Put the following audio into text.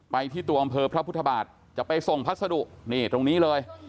ไปที่ตัวอำเภอพุทธบาทจะไปส่งผัสดุตรงนี้เลย